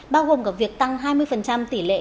bao gồm cả việc tăng hai mươi tỷ lệ